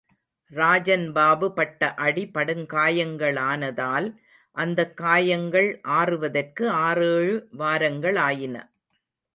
ராஜன் பாபு பட்ட அடி படுகாயங்களானதால், அந்த காயங்கள் ஆறுவதற்கு ஆறேழு வாரங்களாயின.